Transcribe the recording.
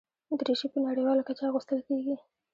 دریشي په نړیواله کچه اغوستل کېږي.